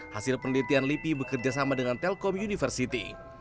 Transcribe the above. hasil penelitian lipi bekerjasama dengan telkom university